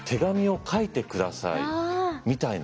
みたいな。